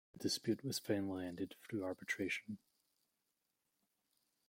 The dispute was finally ended through arbitration.